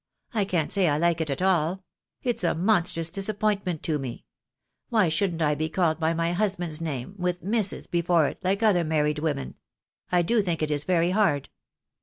I can't say I like it at all ; it's a monstrous disappointment to me ; why shouldn't I be called by my husband's name, with Mrs. before it, like other married women? I do think it is very hard."